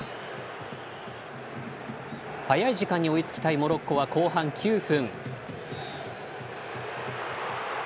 早い時間に追いつきたいモロッコは後半９分。